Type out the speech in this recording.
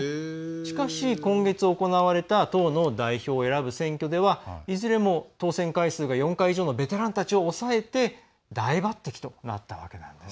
しかし、今月行われた党の代表を選ぶ選挙ではいずれも当選回数が４回以上のベテランたちを抑えて、大抜てきとなったわけなんです。